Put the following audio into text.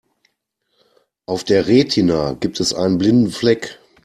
Auf der Retina gibt es einen blinden Fleck.